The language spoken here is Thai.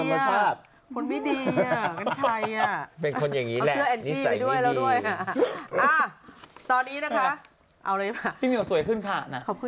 อยู่ไหมครับ